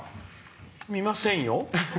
見ませんよ。